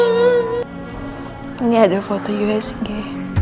ini ada foto you ya sih nge